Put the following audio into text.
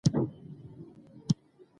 د ناروغۍ ابتدايي نښې په سمه توګه معلومېږي.